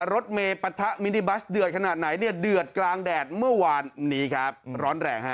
รถเมย์ปะทะมินิบัสเดือดขนาดไหนเนี่ยเดือดกลางแดดเมื่อวานนี้ครับร้อนแรงฮะ